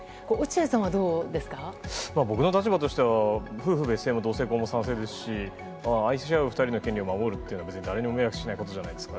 これ、僕の立場としては、夫婦別姓も同性婚も賛成ですし、愛し合う２人の権利を守るっていうのは、誰にも迷惑しないことじゃないですか。